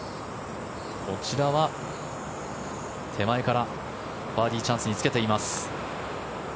こちらは手前からバーディーチャンスにつけています。